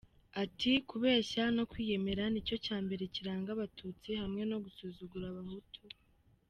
Ati « Kubeshya no kwiyemera nicyo cyambere kiranga abatutsi, hamwe no gusuzugura abahutu.